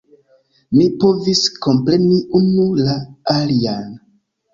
Ni povis kompreni unu la alian.